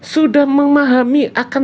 sudah memahami akan